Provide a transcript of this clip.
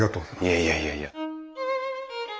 いやいやいやいや。